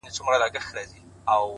مړاوي یې سترگي”